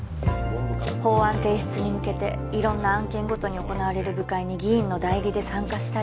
法案提出に向けていろんな案件ごとに行なわれる部会に議員の代理で参加したり。